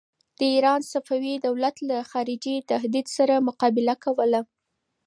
د ایران صفوي دولت له خارجي تهدید سره مقابله کوله.